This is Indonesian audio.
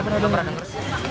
nggak nggak pernah dengar